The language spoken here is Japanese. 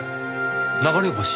流れ星。